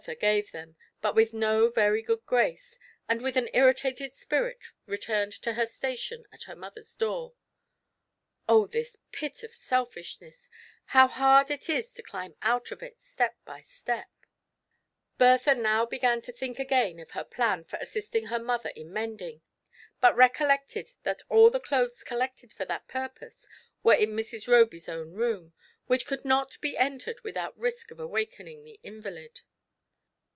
Bertha gave them, but with no very good gTrace, and with an irritated spirit returned to her station at her mother's door. Oh, this pit of selfishness ! how hard it is to climb out of it, step by step ! Bertha now began to think again of her plan for assisting her mother in mending, but recollected that all the clothes collected for that purpose were in Mrs. Roby's own room, which could not be entered without risk of awakening the invalid.